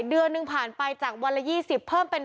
เดือนหนึ่งผ่านไปจากวันละ๒๐เพิ่มเป็น